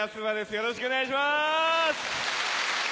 よろしくお願いします！